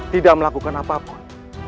tidak melakukan apapun